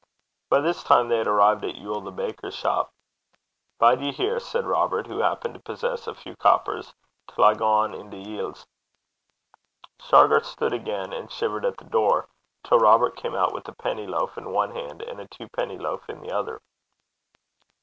By this time they had arrived at Yule the baker's shop. 'Bide ye here,' said Robert, who happened to possess a few coppers, 'till I gang into Eel's.' Shargar stood again and shivered at the door, till Robert came out with a penny loaf in one hand, and a twopenny loaf in the other.